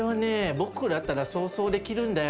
僕だったら想像できるんだよ。